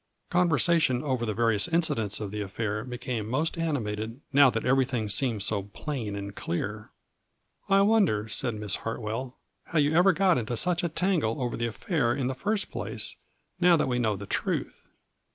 Conversation over the various incidents of the affair became most animated now that everything seemed so plain and clear. " I wonder," said Miss Hartwell, " how you ever got into such a tangle over the affair in the first place, now that we know the truth."